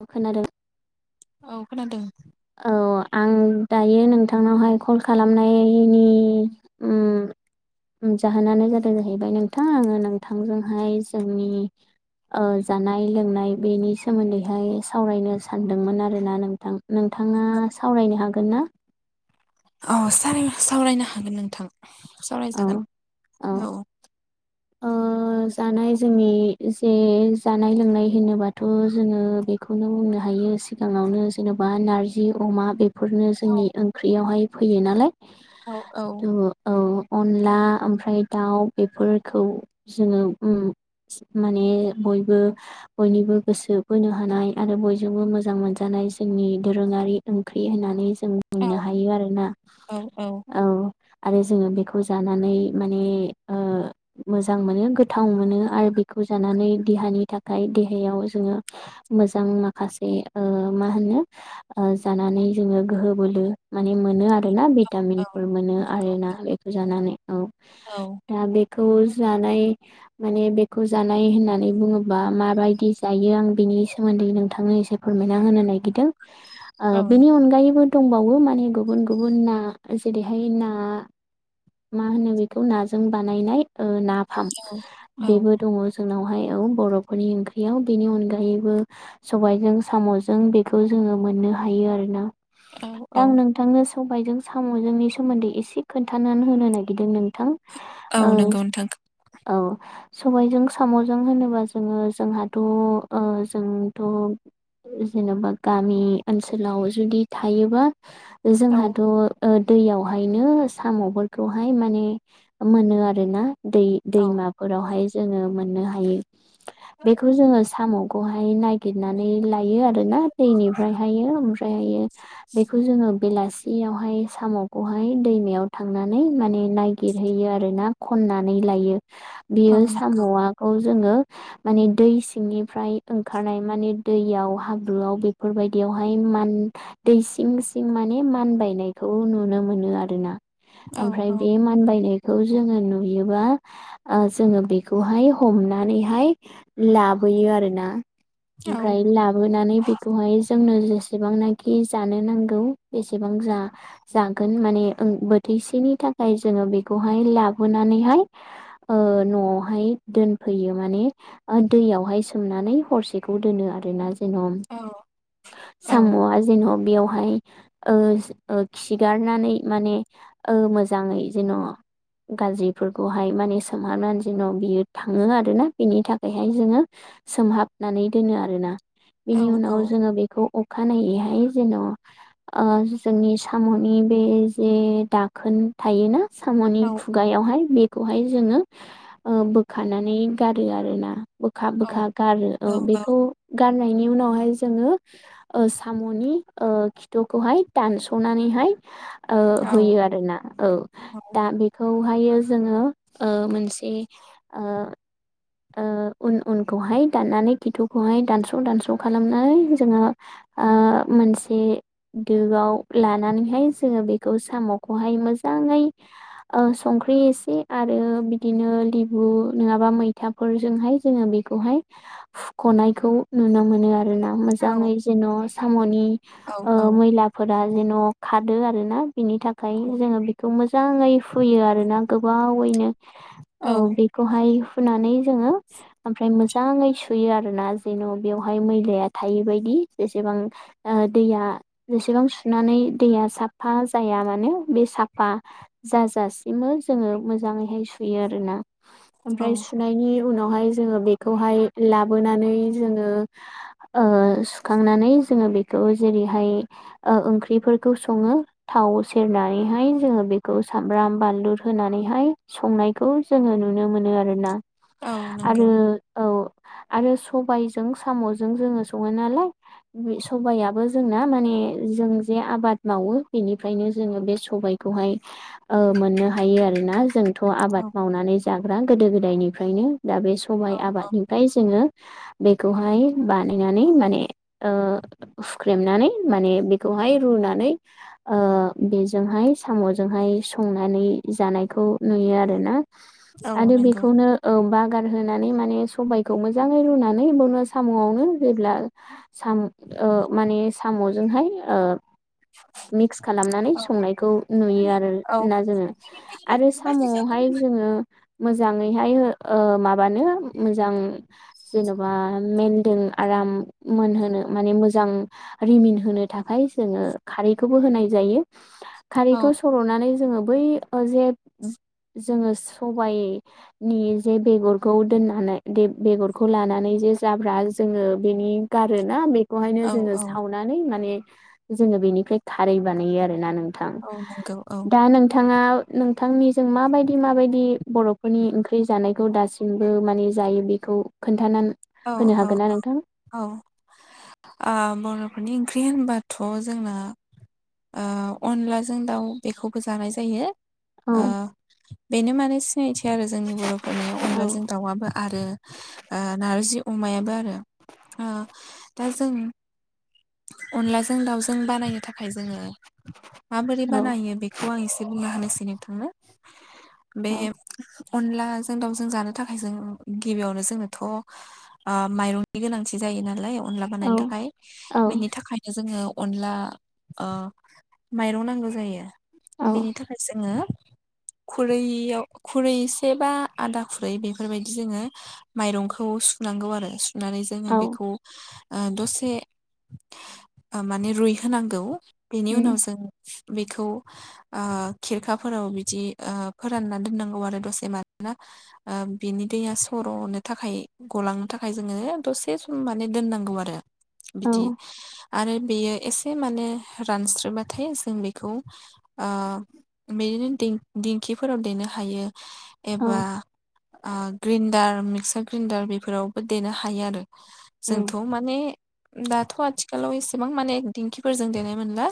औ खोनादों औ खोनादों। औ आं दायो नोंथांनावहाय कल खालामनायनि उम उम जाहोनानो जादों जाहैबाय नोंथां आङो नोंथांजोंहाय जोंनि ओ जानाय लोंनाय बेनि सोमोन्दैहाय सावरायनो सानदोंमोन आरोना नोंथां नोंथाङा सावरायनो हागोन ना औ सावरायनो सावरायनो हागोन नोंथां औ सावरायजागोन औ। अ जानाय जोंनि जे जानाय लोंनाय होनोबाथ' जोङो बेखौनो बुंनो हायो सिगाङावनो जेन'बा नारजि अमा फोरनो जोंनि ओंख्रियावहाय फैयो नालाय औ औ थ' औ अनला ओमफ्राय दाउ बेफोरखौ जोङो उम माने बयबो बयनिबो गोसो बोनो हानाय आरो बयजोंबो मोजां मोनजानाय जोंनि दोरोङारि ओंख्रि होननानै जों औ बुंनो हायो आरोना औ औ औ। आरो जोङो बेखौ जानानै माने ओ मोजां मोजां मोनो गोथाव मोनो आरो बेखौ जानानै देहानि थाखाय देहायाव जोङो मोजां माखासे ओ मा होनो ओ जानानै जोङो गोहो बोलो माने मोनो आरो आरोना भिटामिन फोर मोनो आरोना बेखौ जानानै औ औ दा बेखौ जानाय माने बेखौ जानाय होननानै बुङोबा माबायदि जायो आं बेनि सोमोन्दै नोंथांनो एसे फोरमायना होनो नागिरदों औ ओ बेनि अनगायैबो दंबावो माने गुबुन गुबुन ना जेरैहाय ना मा होनो बेखौ नाजों बानायनाय ओ नाफाम बेबो दङ जोंनावहाय बर'फोरनि ओंख्रियाव बेनि अनगायैबो सबायजों साम'जों बेखौ जोङो मोन हायो आरोना औ औ दा आं नोंथांनो सबायाइजों साम'जोंनि सोमोन्दै एसे खोन्थानानै होनो नागिरदों नोंथां औ ओ नंगौ। नोंथां औ सबायजों साम'जों होनोबा जोङो जोंहाथ'ओ जोंथ' जेन'बा गामि ओनसोलाव जुदि थायोबा औ जोंहाथ' दैयावहायनो साम'फोरखौहाय माने मोनो आरोना दै औ औ दैमाफोरावहाय जोङो मोननो हायो बेखौ जोङो साम' [inaudible] नागिरनानै लायो आरोना दैनिफ्रायहायो ओमफ्राय बेखौ जोङो बेलासि सियावहाय साम'खौहाय दैमायाव थांनानै माने नायगिरहैयो आरो ना खननानै लायो औ बेयो नंगौ साम'आखौ जोङो मेने दै सिंनिफ्राय ओंखारनाय मने दैयाव हाब्रुआव बेफोरबायदियाव बेवहाय मान दै सिं सिं माने मानबायनायखौ नुनो मोनो आरोना औ ओमफ्राय औ बे मानबायनायखौ जोङो नु नुयोबा जोङो बेखौहाय हमनानैहाय लाबोयो आरोना औ ओमफ्राय लाबोनानै बेखौहाय जोंनो जेसेबांनाखि जानो नांगौ बेसेबां जागोन मान बोथिसेनि थाखाय जोङो बेखौहाय लाब नानैहाय नआवहाय दोनफैयो मान दैयावहाय सोमनानै हरसेखौ दोनो आरोना जेन औ औ साम'आ जेन' बेयाव बेहाय खिगारनानै माने मोजाङै जेन' गाज्रिफोरखौहाय माने सोमहाबनानै जेन' बियो थाङो आरोना बिनि थाखायहाय जोङो सोमहाबनानै दोनो आरोना औ बिनि उनाव जोङो बेखौ अखानायैहाय जेन' जोंनि साम'नि बे जे दाखोन थायोना सामनि खुगायावहाय बेखौहाय जोङो बोखानानै गारो आरोना बोखा बोखा गारो औ बेखौ गारनायनि उनावहाय जोङो ओ साम'नि ओ खिथुखौहाय दानस'नानै नै ओ होयो आरोना औ दा बे बेखौहायो जोङो ओ मोनसे ओ ओ [inaudible] उन उनखौहाय दाननानै खिथुखौहाय दानस्र' दानस्र' खालामनानै जोङो ओ मोनसे दोआव लानानैहाय जोङो बेखौ साम'खौहाय मोजाङै ओ सं संख्रि एसे आरो बिदिनो लेबु नङाबा मै मैथाफोरजोंहाय जोङो बेखौहाय फुख'नायखौ नुनो मोनो आरो आरो ना मोजाङै जेन' साम'नि ओ मैलाफोरा जेन' खादो आरो ना बिनि थाखाय जोङो बेखौ मोजां मोजाङै फुयो आरोना गोबावैनो औ औ औ बेखौहाय हुनानै जोङो ओमफ्राय मोजाङै सुयो आर ना जेन' बेवहाय मैलाया थायै बादि जेसेबां ओ दैया जेसेबां सुनानै दैया साफा जाया माने बे साफा जाजासिम जोङो मोजाङै सुयो आरोना ओमफ्राय सु औ नायनि उनावहाय जोङो बेखौहाय लाबोनानै जोङो ओ सुखां नानै जोङो बेखौ जेरैहाय ओ ओंख्रिफोरखौ सङो थाव सेरनानै हाय जोंङो बेखौ सामब्राम बानलुर होनानैहाय संनायखौ जोङो नुनो मोनो आरोना औ नंगौ आरो औ आरो सबायजों साम'जों जोङो सङो नालाय बे सबाइयाबो जोंना माने जों जे आबाद मावो बेनिफ्रायनो जोङो बे सबायखौहाय ओ मोननो हायो। आरोना जों थ' औ आबाद मावनानै जाग्रा गोदो गोदायनिफ्रायनो दा बे औ सबाइ औ टआबादनिफ्राय जोङो बेखौहाय बानायनानै माने ओ हुख्रेमनानै माने बेखौ बेखौहाय रुनानै ओ बेजोंहाय साम'जोंहाय संनानै जानायखौ नुयो आरोना औ आरो नंगौ बेखौनो औ बागार होनानै माने सबाइखौ मोजाङै रुनानै बावनो साम'आवनो होब्ला सा ओ माने साम'जोंहाय ओ [inaudible] मिक्स खालामनानै औ संनायखौ नुयो आरो ना जोङो आरो साम'आवहाय जोङो। ओ मोजाङैहाय हो ओ माबानो मोजां जेन'बा मेेनदों आराम मोनहोनो माने मोजां रिमिन होनो थाखाय जोङो खारैखौबो होनाय जायो। खारैखौ सर'नानै जोङो बै जे जोङो सबाइनि जे बेगरखौ दोननानै बेगरखौ लानानै जे जाब्रा जोङो बेनि गारोना बे बेखौहायनो औ जोङो औ सावनानै माने जोङो बेनिफ्राय खारै बानायो आरोना नों थां औ नंगौ औ दा नोंथां नोंथाङा नोंथांनिजों माबायदि माबायदि बर'फोरनि ओंख्रि जानाय खौ दासिमबो माने जायो बेखौ खोन्थानानै औ होनो औ हागोन ना नोंथां औ औ ओ बर'फोरनि ओंख्रि होनबाथ' जोंना ओ अनलाजों दाउ बेखौबो जानाय जायो। औ [inaudible] ओ बेनो माने सिनायथि आरो जोंनि बर'फोरनियाव औ अनलाजों दाउआबो आरो आ नारजि अमायाबो आरो ओ दा जों अनलाजों दाउजों बानायनो थाखाय जोङो माबोरै औ बानायो बेखौ आं एसे बुंना होनोसै नोंथांनो बे औ अनलाजों दाउजों जानो थाखाय जों गिबियावनो जोंनोथ' ओ माइरंनि गोनांथि जायो नालाय अनला औ बानायनो थाखाय औ बेनि थाखायनो जोङो। अनला ओ माइरं नांगौ जायो बेनि थाखाय जोङो। [inaudible] खुरैयाव खुरैसे बा आदा खुरै बेफोरबायदि जोङो माइरं खौ सुनांगौ आरो सुनानै जोङो औ बेखौ दसे माने रुइ होनांगौ बेनि उनाव जों बेखौ ओ खिरखाफोराव बिदि ओ फोरानना दोननांगौ आरो दसे मानोना ओ बिनि दैया सर'नो थाखाय गलांनो थाखाय जोङो दसे सम माने दोननांगौ आरो बिदि आरो बेयो एसे माने रानस्रोबाथाय जों बेखौ ओ बिदिनो दिं दिंखिफोराव देनो हायो एबा औ ओ ग्रेन्डार मिक्सार ग्रेन्डार बेफोरावबो देनो हायो आरो। औ जोंथ' माने दाथ' आथिखालाव एसेबां माने दिंखिफोरजों देनाय मोनला।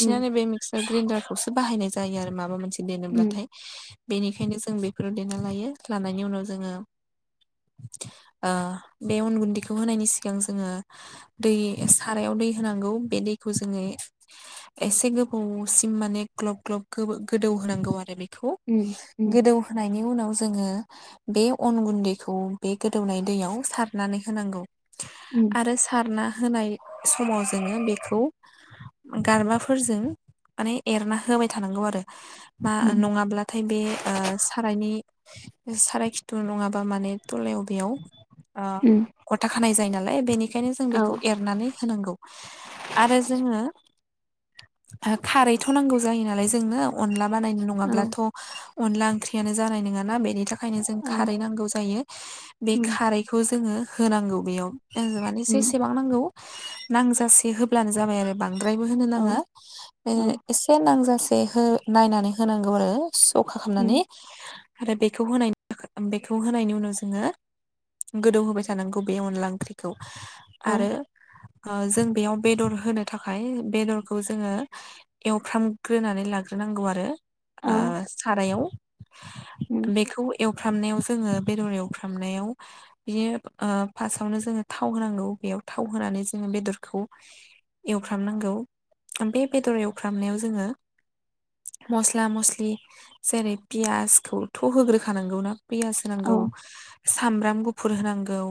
उम बे मिक्सार ग्रेन्डारखौसो बाहायनाय जायो आरो माबा मोनसे उम दोनोब्लाथाय। बेनिखायनो जों बेफोराव देना लायो लानायनि उनाव जोङो ओ बे अन गुन्दैखौ होनायनि सिगां जोङो दै सारायाव दै होनांगौ। बे दैखौ जोङो एसे गोबौसिम माने ग्लाब ग्लाब गो गोदौ होनांगौ आरो बे खौ उम उम गोदौ होनायनि उनाव जोङो बे अन गुन्दै खौ बे गोदौनाय दैयाव सारनानै होनांगौ उम आरो सारना होनाय समाव जोङो बेखौ गारबाफोरजों माने एरना होबाय थानांगौ आरो। मा उम नङाब्लाथाय बे ओ सारायनि साराय खिथु नङाबा माने थलायाव बेेयाव ओ उम गथा खानाय जायो नालाय बेनिखायनो जों औ बेखौ एरनानै होनांगौ आरो जोङो खारैथ' नांगौ जायो नालाय जोंनो अनला बानायनो औ नङाब्लाथ' अनला ओंख्रियानो जानाय नङाना बेनि थाखायनो जों औ खारै नांगौ जायो। बे उम खारैखौ जोंङो होनांगौ बेयाव जों माने उम जेसेबां नांगौ नांजासे होब ब्लानो जाबाय आरो बांद्रायबो होनो औ नाङा। बे औ एसे नांजासे बे हो नायनानै होनांगौ आरो सौखा खालामनानै उम आरो बेखौ होनाय बेखौ होनायनि उनाव जों ङो गोदौ होबाय थानांगौ बे अनला ओंख्रिखौ औ आरो ओ जों बेयाव बेदर होनो थाखाय बेदरखौ जोङो एवफ्रामग्रोनानै लाग्रोना नांगौ आरो ओ औ सारायाव। उम बेखौ एवफ्रामनायाव जोङो बेदर एव फ्रामनायाव बियो ओ फास्स्टावनो जोङो थाव होनांगौ बेयाव थाव होनानै जोङो बेदर खौ एवफ्रामनांगौ। बे बेदर एवफ्रामनायाव जोङो मस्ला मस्लि जेरै फियासखौथ' होग्रोखानांगौना फियास औ नांगौ, सामब्राम गुफुर होनांगौ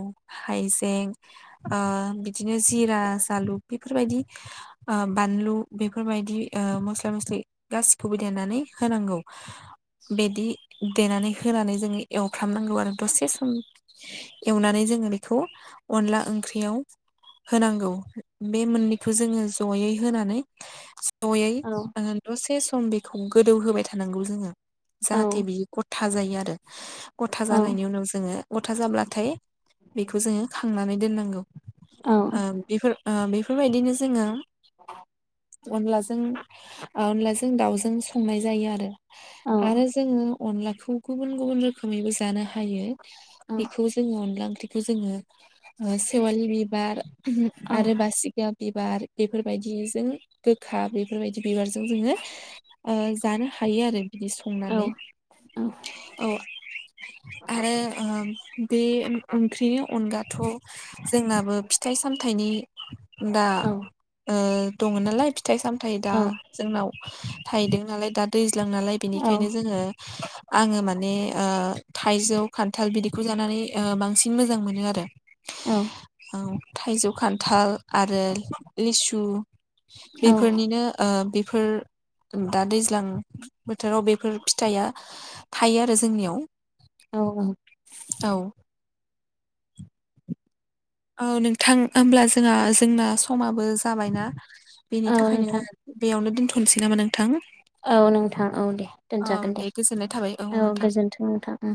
हाइजें ओ बिदिनो जिरा जालु बेफोरबादि ओ बानलु बेफोरबादि ओ मसला मसलि गासिखौबो देनानै होनांगौ बिदि देनानै होनानै जोङो एवफ्रामनांगौ आरो। दसे सम एवनानै जोङो बेखौ अनला ओंख्रियाव होनांगौ बे मोननैखौ जोङो जयै होनानै जयै औ आ दसे सम बेखौ गोदौ होबाय थानांगौ जोङो औ जाहाथे बियो गथा जायो आरो। गथा औ जानायनि उनाव जोङो गथा जाब्लाथाय बेखौ जोङो खांनानै दोननांगौ। औ ओ बेफोर ओ बेफोरबायदिनो जोङो [unintelligible] अनलाजों अनलाजों दाउजों संनाय जायो आरो औ आरो जोङो अनलाखौ गुबुन गुबुन रोखोमैबो जानो हायो बेखौ जोङो अनला ओंख्रिखौ जोङो ओ सेवालि बिबार आरो बासिगाब बिबार बेफोरबायदिजों गोखा बेफोरबायदि बिबारजों जोङो ओ जानो हायो आरो बिदि संनानै। औ आरो ओम बे ओं ओंख्रिनि अनगाथ' जोंनाबो फिथाइ सामथाइनि दा ओ दङ नालाय फिथाइ सामथायाइ दा जोंनाव थायदों नालाय दा दैज्लां नालाय बेनिखायनो जोङो आङो माने ओ थाइजौ खान्थाल बिदिखौ जानानै बांसिन मोजां मोनो आरो। औ। थाइजौ खान्थाल आरो लिसु औ बेफोरनिनो बेफोर दा दैज्लां बोथोराव बेफोर फिथाइया थायो आरो जोंनियाव। औ औ। औ औ नोंथां होमब्ला जोंहा जोंना समाबो बो जाबायना बेनि औ नोंथां थाखायनो बेयावनो दोनथ'नोसै नामा नोंथां? औ नोंथां औ दे औ दोनजागोन दे गोजोननाय थाबाय औ नोंथां। गोजोन्थों नोंथां।